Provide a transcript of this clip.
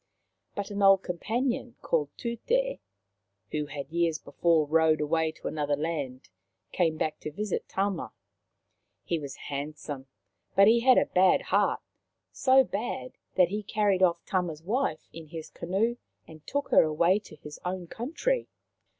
But an old companion called Tute, who had years before rowed away to another land, came back to visit Tama. He was handsome, but he had a bad heart — so bad that he carried off Tama's wife in his canoe and took her away to his own country.